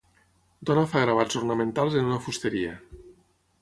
Dona fa gravats ornamentals en una fusteria